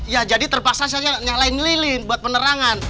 ya jadi terpaksa saya nyalain lilin buat penerangan